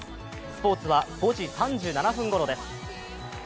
スポーツは５時３７分ごろです。